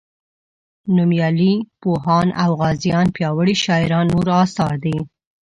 نومیالي پوهان او غازیان پیاوړي شاعران نور اثار دي.